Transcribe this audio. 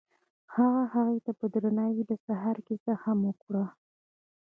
هغه هغې ته په درناوي د سهار کیسه هم وکړه.